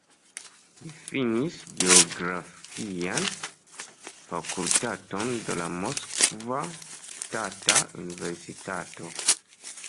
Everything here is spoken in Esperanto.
Li finis geografian fakultaton de la Moskva Ŝtata Universitato.